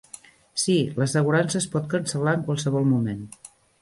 Sí, l'assegurança es pot cancel·lar en qualsevol moment.